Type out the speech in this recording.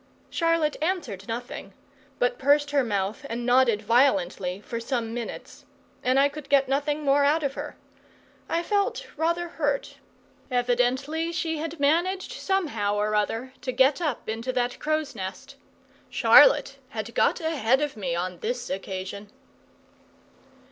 Charlotte answered nothing, but pursed her mouth up and nodded violently for some minutes; and I could get nothing more out of her. I felt rather hurt. Evidently she had managed, somehow or other, to get up into that crow's nest. Charlotte had got ahead of me on this occasion.